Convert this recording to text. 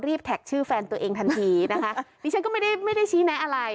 แท็กชื่อแฟนตัวเองทันทีนะคะดิฉันก็ไม่ได้ไม่ได้ชี้แนะอะไร